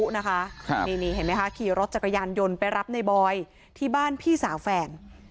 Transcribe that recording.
นี่เห็นไหมคะขี่รถจักรยานยนต์ไปรับในบอยที่บ้านพี่สาวแฟน